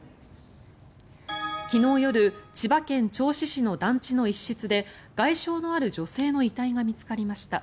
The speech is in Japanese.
昨日夜千葉県銚子市の団地の一室で外傷のある女性の遺体が見つかりました。